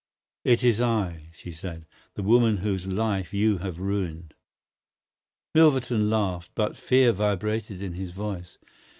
"It is I," she said; "the woman whose life you have ruined." Milverton laughed, but fear vibrated in his voice.